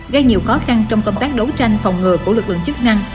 gây nhiều khó khăn trong công tác đấu tranh phòng ngừa của lực lượng chức năng